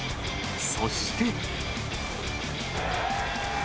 そして。